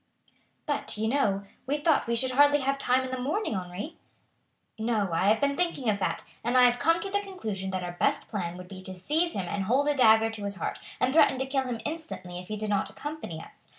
"But, you know, we thought we should hardly have time in the morning, Henri!" "No, I have been thinking of that, and I have come to the conclusion that our best plan would be to seize him and hold a dagger to his heart, and threaten to kill him instantly if he did not accompany us.